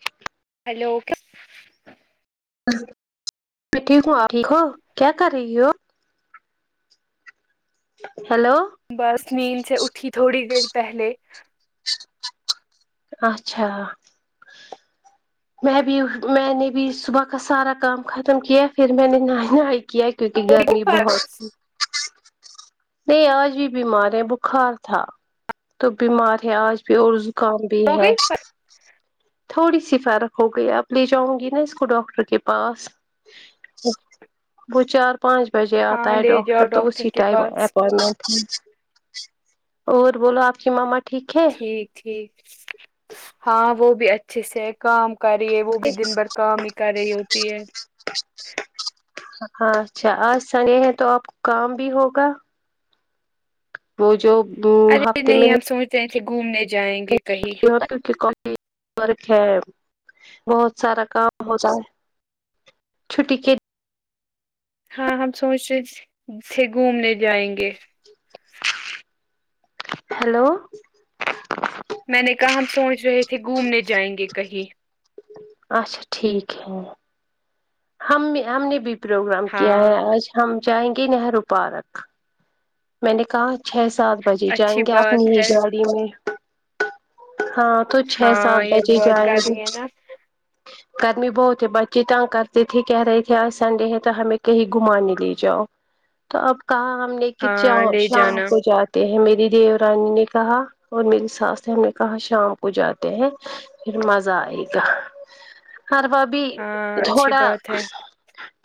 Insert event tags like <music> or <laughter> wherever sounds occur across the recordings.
ش لوگ میں ٹھیک ہوں آپ ٹھیک ہو کیا کر رہی ہو ہیلو بس نیند سے اٹھی تھوڑی دیر پہلے اچھا میں بھی میں نے بھی صبح کا سارا کام ختم کیا پھر میں نے نہ نہائی ہے کیونکہ ہو گئی گرمی فرق بہت تھی نہیں آج بھی بیمار ہے بخار تھا تو بیمار ہے آج بھی اور کام بھی ہو ہے گئی تھوڑی سی فرق ہو گئی آپ لے جاؤں گی نا اس کو ڈاکٹر کے پاس وہ چار پانچ بجے فرق؟ ہاں آتا ہے لے جاؤ ڈاکٹر تو اسی کے ٹائم پاس اور بولو آپ کی ماما ٹھیک ہے ٹھیک ٹھیک ہاں وہ بھی اچھے سے کام کر رہی ہے وہ بھی دن بھر کام ہی کر رہی ہوتی ہے ہاں اچھا آج سنڈے ہیں تو آپ کو کام بھی ہوگا وہ جو ہفتے میں سے گھومنے جائیں گے کہیں کیک کای ورک ہے بہت سارا کام ہوتا ہے چھٹی کے ہاں ہم سوچ رہےے گھومنے جائیں گے ہیلو میں نے کہا ہم سوچ رہے تھے گھومنے جائیں گے کہیں اچھا ٹھیک ہے ہم ہم نے بھی پروگرام کیا ہاں ہے آج ہم جائیں گے نہرو پارک میں نے کہا چھ سات بجے جائیں اچھی گے اپنی بات ہی ہے گاڑی میں ہاں تو چھ سات ہاں یہ بجے بہت جائےیں گی گرمی ہے نا گرمی بہت ہے بچے تنگ کرتے تھے کہہ رہے تھے آج سنڈے ہے تو ہمیں کہیں گھماے لے جاؤ تو اب کہا ہم نے کہ ہاں لے شام جانا کو جات ہیں میری دیو رانی نے کہا اور میری ساس نے ہم نے کہا شام کو جاتے ہیں پھر مزہ آئے گا ہر باب ہاں اچھی تھوڑا بات ہے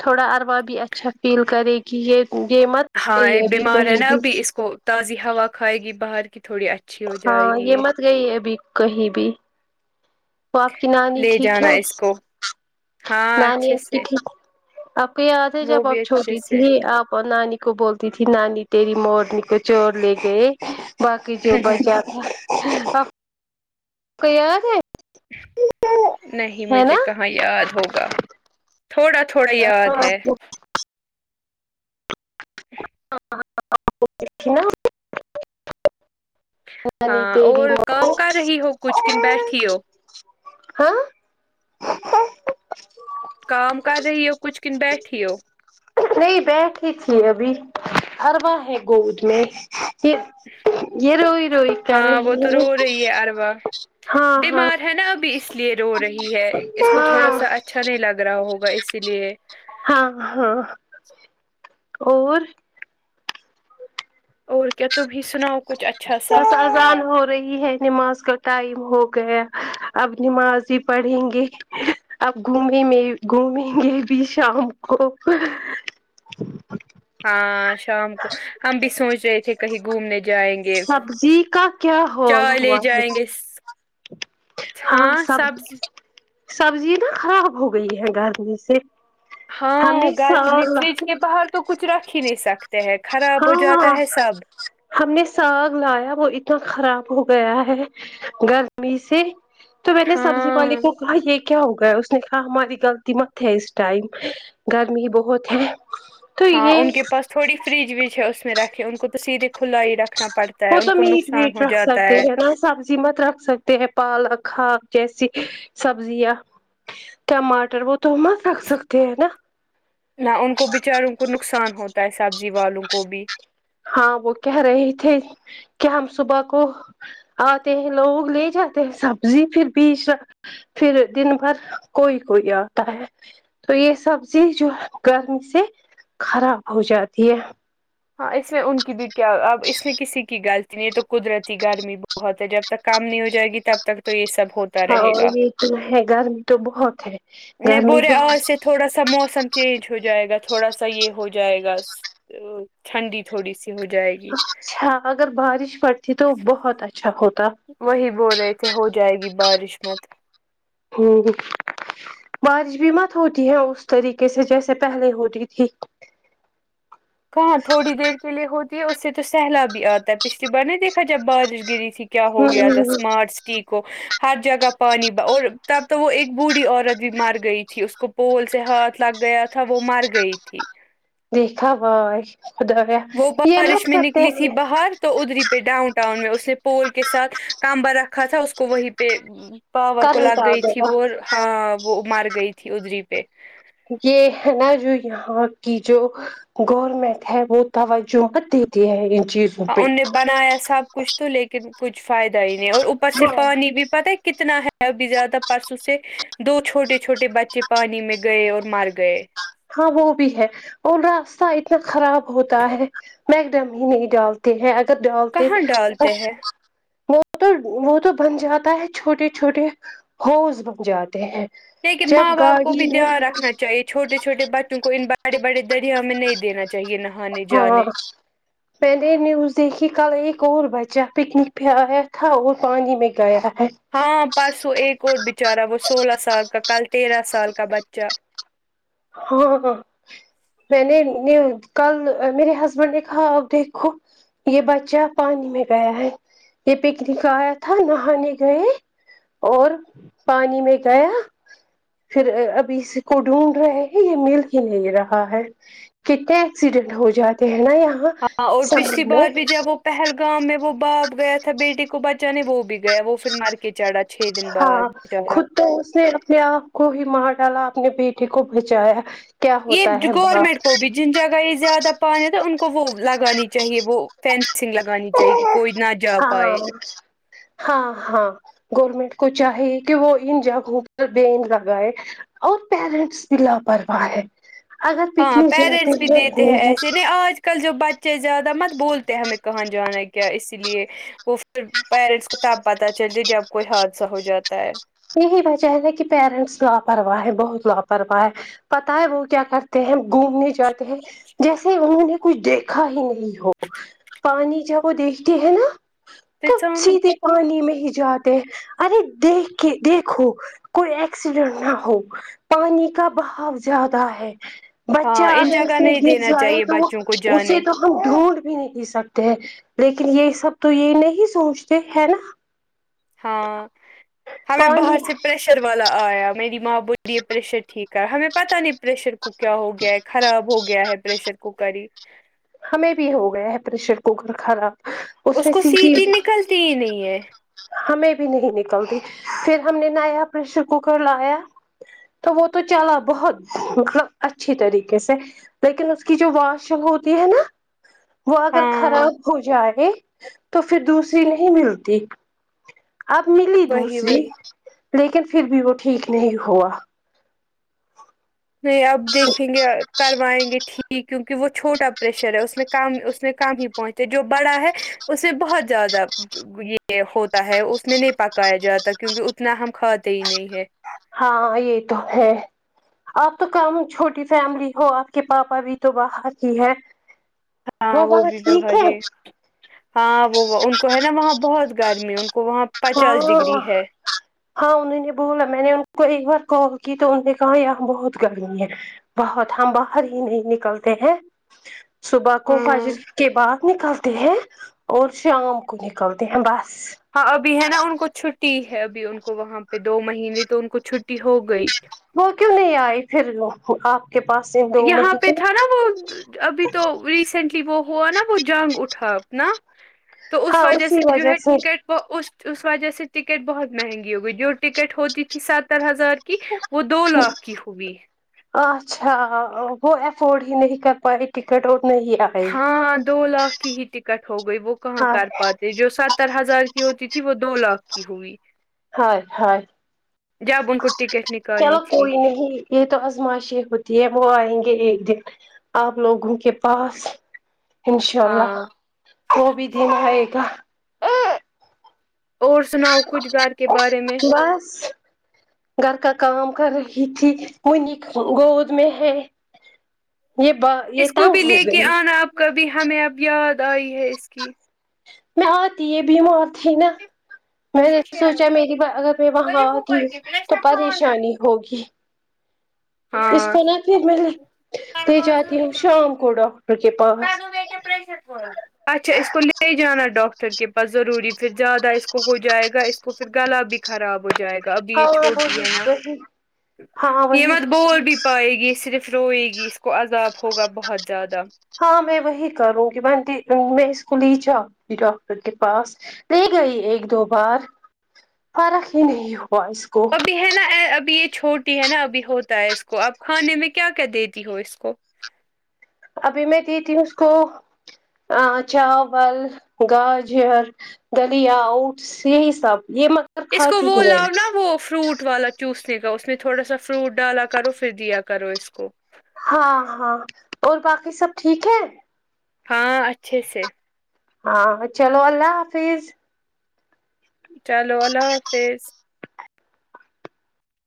تھوڑا عروا بھی اچھا فیل کرے کہ یہ یہ مت ہاں گئی ابھی بیمار ہے کہیں نا بھی ابھی اس کو تازی ہوا کھائے گی باہر کی تھوڑی اچھی ہو ہاں جائے گی یہ مت گئی ابھی کہیں بھی وہ آپ کی نانی لے ٹھیک جانا ہے اس کو ہاں نانی اچھے آپ کی سے ٹھیک ہے آپ کو یاد ہے وہ جب بھی آپ اچھے چھوٹی سے تھی آپ اور نانی کو بولتی تھی نانی تیری مورنی کو چور لے گئے باقی جو بچا تھا سب آپ کو یاد ہے نہیں ہے نا مجھے کہاں یاد ہوگا تھوڑا تھوڑا یاد ہے <inaudible> ہاں اور کام کر رہی ہو کچھ کن بیٹھی ہو <unintelligible> <inaudible> ہاں کام کر رہی ہو کچھ کن بیٹھی ہو نہیں بیٹھی تھی ابھی عروا ہے گود میں <inaudible> یہ روئی روئی کر ہاں وہ تو رہی ہے رو رہی اروا ہاں ہاں بیمار ہے نا ابھی اس لیے رو رہی ہے اس کو تھوڑا ہاں سا اچھا نہیں لگ رہا ہوگا اسی لیے ہاں ہاں اور اور کیا تم ہی سناؤ کچھ اچھا سا اذان ہو رہی ہے نماز کا ٹائم ہو گیا اب نماز ہی پڑھیں گے اپ گھومیں میں گھومیں گے بھی شام کو ہاں شام کو ہم بھی سوچ رہے تھے کہیں گھومنے جائیں گے سبزی کا کیا <inaudible> چا حال لے ہوا ہے جائیں گے ہاں سب سبزی نا خراب ہو گئی ہے گرمی سے ہاں ہم نے گھر ساگ میں لا فریج کے باہر تو کچھ رکھ ہی نہیں سکتے ہیں خراب ہو ہاں جاتا ہے سب ہم نے ساگ لایا وہ اتنا خراب ہو گیا ہے گرمی سے تو میں نے سبزی پانی ہاں وہ کہا یہ کیا ہو گیا اس نے کہا ہماری غلطی مت ہے اس ٹائم گرمی بہت ہے تو ہاں ان یہ کے پاس تھوڑی فریج وج ہے اس میں رکھیں ان کو تو سیدھے کھلا ہی رکھنا پڑتا ہے وہ ان تو کو میٹ نقصان ویٹ ہو رکھ جاتا سکتے ہے نا سبزی مت رکھ سکتے ہیں پالک ہاک جیسی سبزیاں ٹماٹر وہ تو <unintelligible> رکھ ستے ہیں ہے نا نہ ان کو بچاروں کو نقصان ہوتا ہے سبزی والوں کو بھی ہاں وہ کہہ رہے تھے کیا ہم صبح کو آتے ہیں لوگ لے جاتے ہیں سبزی پھر بھی پھر دن بھر کوئی کوئی آتا ہے تو یہ سبزی جو گرمی سے خراب ہو جاتی ہے ہاں اس میں ان کی بھی کیا اب اس میں کسی کی غلطی نہیں یہ تو قدرتی گرمی بہت ہے جب تک کام نہیں ہو جائے گی تب تک تو یہ سب ہوتا رہے ہاں گا یہ تو ہے گرمی تو بہت ہے نہیں گرمی بورے بہت آج سے تھوڑا سا موسم چینج ہو جائے گا تھوڑا سا یہ ہو جائے گا ٹھنڈی تھوڑی سی ہو جائے گی اچھا اگر بارش پڑتی تو بہت اچھا ہوتا وہی بول رہے تھے ہو جائے گی بارش مت ٹھیک بارش بھی مت ہوتی ہے اس طریقے سے جیسے پہلے ہوتی تھی کہاں تھوڑی دیر کے لیے ہوتی ہے اس سے تو سہلاب بھی آتا ہے پچھلی بار نہیں دیکھا جب بارش گری تھی کیا ہو گیا ہوں تھاسمارچ کو ہر جگہ پانی ب اور تب تو وہ ایک بوڑھی عورت بھی مر گئی تھی اس کو پول سے ہاتھ لگ گیا تھا وہ مر گئی تھی دیکھا بھائی خدایا وہ یہ مت بارش میں سکتے نکلی تھی ہیں باہر تو ادری پہ ڈاؤن ٹاؤن میں اس نے پول کے ساتھ کمبا رکھا تھا اس کو وہی پہ پاور کو کرنٹ لگ آ گئی تھی گیا وہ ہاں وہ مر گئی تھی ادھری پہ یہ ہے نا جو یہاں کی جو گورنمنٹ ہے وہ توجہ مت دیتی ہے ان چیز ان نے بنایا سب کچھ تو لیکن کچھ فائدہ ہی نہیں اور پس ہاں پانی بھی پتا ہے کتنا ہے ا بھی زیادہ پرسوں سے دو چھوٹے چھوٹے بچے پانی میں گئے اور مر گئے ہاں وہ بھی ہے اور راستہ اتنا خراب ہوتا ہے میں ایک دم ہی نہیں ڈالتا ہے اگر ڈالتے کہاں ڈالتے ہیں <unintelligible> وہ تو وہ تو بن جاتا ہے چھوٹے چھوٹے ہوز بن جاتے ہیں لیکن جب ماں باپ کو گاڑی بھی میں دھیان رکھنا چاہیے چھوٹے چھوٹے بچوں کو ان بڑے بڑے دریا میں نہیں دینا چاہیے چاہیے نہانے ہاں جانے میں نے نیوز دیکھی کل ایک اور بچہ پکنک پہ آیا تھا اور پانی میں گیا ہے ہاں پرسوں ایک اور بچارا وہ سولہ سال کا کل تیرہ سال کا بچہ ہاں ہاں میں نے کل میرے ہسبینڈ نے کہا دیکھو یہ بچہ پانی میں گیا ہے یہ پکنک آیا تھا نہانے گئے اور پانی میں گیا پھر ابھی اس کو ڈھونڈ رہے ہیں یہ مل ہی نہیں رہا ہے کتنے ایکسیڈنٹ ہو جاتے ہیں یہاں ہاں اور سمر پچھلی میں بار بھی جب وہ پہلگام میں وہ باپ گیا تھا بیٹی کو بچانے وہ بھی گیا وہ پھر مر کے چڑا چھ دن بعد ہاں بچارا خود تو اس نے اپنے آپ کو ہی مار ڈالا اپنے بیٹے کو بچایا کیا یہ ہوتا ہے گورنمنٹ باپ کو بھی جن جگہ یہ زیادہ پانی تھا ان کو وہ لگانی چاہیے وہ فینس انگ لگانی چاہیے کہ کوئی نہ جا پائے ہاں ہاں ہاں گورنمنٹ کو چاہیے کہ وہ ان جگہوں پر بین لگائے اور پیرنٹس بھی لاپرواہ ہے اگر ہاں پکنک جاتے پیرنٹس بھی ہو دیتے ہیں گھوم ایسے نہیں آج کل جو بچے زیادہ مت بولتے ہیں ہمیں کہاں جانا ہے کیا اسی لیے وہ پھر پیرنٹس کو تب پتہ چلتی جب کوئی حادثہ ہو جاتا ہے یہی وجہ ہے کہ پیرنٹس لاپرواہ ہے بہت لاپرواہ ہے پتا ہے وہ کیا کرتے ہیں گھومنے جاتے ہیں جیسے ہی انہوں نے دیکھ کھا ہی نہیں ہو پانی جب وہ دیکھتے ہیں نا تب سیدھے پانی میں ہی جاتے ہیں ارے دیکھ کے دیکھو کوئی ایکسیڈنٹ نہ ہو پانی کا بہاؤ زیادہ ہے بچہ ہاں ان اگر اس جگہ میں نہیں گر دینا جائے چاہیے تو بچوں کو اسے جانے تو ہم ڈھونڈ بھی نہیں سکتے ہیں لیکن یہ سب تو یہ نہیں سوچتے ہے نا ہاں ہمیں باہر پانی سے پریشر والا آیا میری ماں بولی ہے پریشر ٹھیک ہمیں پتہ نہیں پریشر کو کیا ہو گیا ہے خراب ہو گیا ہے پریشر کوکر ہی ہمیں بھی ہو گیا ہے پریشر کوکر خراب اس کو سیٹی نکلتی ہی نہیں ہے ہمیں بھی نہیں نکلتی پھر ہم نے نایا پریشر کوکر لایا تو وہ تو چلا بہت مطلب اچھی طریقے سے لیکن اس کی جو واش ہوتی ہے نا وہ اگر ہاں خراب ہو جائے تو پھر دوسری نہیں ملتی اب ملی وہی دوسری وہی لیکن پھر بھی وہ ٹھیک نہیں ہوا نہیں آب دیکھیں گے کروائیں گے ٹھیک کیونکہ وہ چھوٹا پریشر ہے اس میں کم اس میں کم ہی پہنچتا جو بڑا ہے اسے بہت زیادہ یہ ہوتا ہے اس میں نہیں پکایا جاتا کیونکہ اتنا ہم کھاتے ہی نہیں ہے ہاں یہ تو ہے آپ تو کم چھوٹی فیملی ہو آپ کے پاپا بھی تو باہر ہی ہے وہ ہاں بولا بھی ٹھیک باہر ہے ہی ہاں وہ ان کو ہے نا وہاں بہت گرمی ان کو وہاں پچاس ہاں ڈگری ہے ہاں انہوں نے بولا میں نے ان کو ایک بار کال کی تو انوں نے کہا یہاں بہت گرمی ہے بہت ہم باہر ہی نہیں نکلتے ہیں صبح کو ہاں فجر کے بعد نکلتے ہیں اور شام کو نکلتے ہیں بس ہاں ابھی ہے نا ان کو چھٹی ہے ابھی ان کو وہاں پہ دو مہینے تو ان کو چھٹی ہو گئی وہ کیوں نہیں آئی پھر آپ کے پاس سے یہاں پہ تھا نا وہ ابھی تو ریسینٹ وہ ہوا نا وہ جنگ اٹھا اپنا تو اس وجہ سے جو ہے ٹکٹ وہ اس اس وجہ سے ٹکٹ بہت مہنگی ہو گئی جو ٹکٹ ہوتی تھی ستر ہزار کی وہ دو لاکھ کی ہوئی اچھا وہ ایفورڈ ہی نہیں کر پاری ٹکت نہیں ی ہاں دو لاکھ کی ہی ٹکٹ ہو گئی وہ کہاں ہاں کر پاتے جو ستر ہزار ہوتی تھی وہ دو لاکھ کی ہوئی ہ ہ جب ان کو ٹکٹ نکالنی چلو تھی کوئی نہیں یہ تو ازمائشی ہوتی ہے وہ آئیں گے ایک دن آپ لوگوں کے پاس انشاء اللہ ہاں وہ بھی دن آئے گا اور سناؤ کچھ گھر کے بارے میں بس گھر کا کام کر رہی تھی منی گود میں ہے یہ ب اس کو تنگ بھی لے کے ہوگی آنا اب کبھی ہمیں اب یاد آئی ہے اس کی بہت یہ بھی اور تھی نا میں نے سوچا میری ب اگر میں وہاں آتی تو پریشانی ہوگی اس ہاں کونہ پھر میں لے لے جاتی ہو شام کو ڈاکٹر کے پاس ے پشر پڑ اچھا اس کو لے جانا ڈاکٹر کے پاس ضروری پھر زیادہ اس کو ہو جائے گا اس کو پھر گلا بھی خراب ہو جائے گا ابھی ہاں یہ چھوٹی وہی ہے نا وہی ہاں یہ وہی مت بول پائے گی صرف روئے گی اس کو عذاب ہوگا بہت زیادہ ہاں میں وہی کروں گی میں میں اس کو لی جاؤ ڈاکٹر کے پاس لے گئی ایک دو بار فرق ہی نہیں ہوا اس کو اب ہے نا ابھی یہ چھوٹی ہے نا ابھی ہوتا ہے اس کو اب کھانے میں کیا کیا دیتی ہو اس کو ابھی میں دیتی ہو اسکو ا چاول گاجر دالیااٹس یھی سب دی مے اس کو وہ لاؤ نا وہ فروٹ والا چسنے کا اس میں تھوڑا سا فروٹ ڈالا کرو پھر دیا کرو اس کو ہاں ہاں اور باقی سب ٹھیک ہے ہاں اچھے سے ہاں چلو اللہ حافظ چلو اللہ حافظ